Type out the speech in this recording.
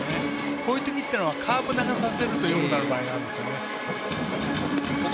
こういう時というのはカーブを投げさせるとよくなる場合があります。